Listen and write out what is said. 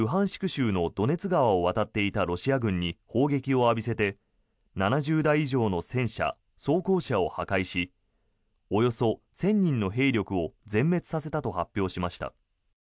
州のドネツ川を渡っていたロシア軍に砲撃を浴びせて７０台以上の戦車、装甲車を破壊しおよそ１０００人の兵力を全滅させたと発表しました。